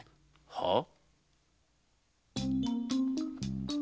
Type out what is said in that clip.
はあ？